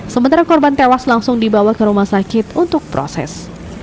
sementara korban tewas langsung dibawa ke rumah sakit untuk proses